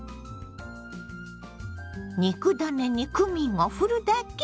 肉ダネにクミンをふるだけ！